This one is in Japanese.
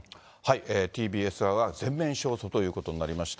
ＴＢＳ側が全面勝訴ということになりました。